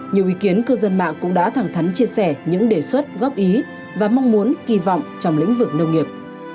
nhiều ý kiến cư dân mạng cũng đã thẳng thắn chia sẻ những đề xuất góp ý và mong muốn kỳ vọng trong lĩnh vực nông nghiệp